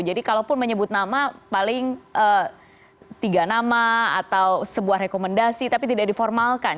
jadi kalaupun menyebut nama paling tiga nama atau sebuah rekomendasi tapi tidak diformalkan